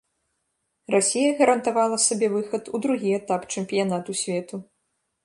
Расія гарантавала сабе выхад у другі этап чэмпіянату свету.